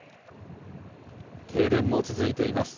停電も続いています。